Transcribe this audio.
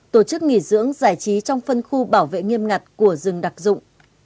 tổ chức nghỉ dưỡng giải trí trong phân khu bảo vệ nghiêm ngặt của rừng đặc dụng